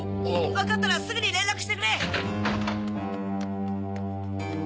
分かったらすぐに連絡してくれ！